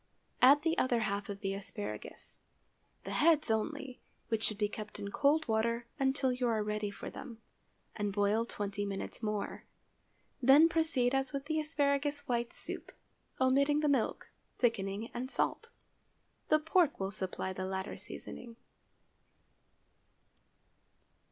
Add the other half of the asparagus—(the heads only, which should be kept in cold water until you are ready for them), and boil twenty minutes more. Then proceed as with the asparagus white soup, omitting the milk, thickening, and salt. The pork will supply the latter seasoning.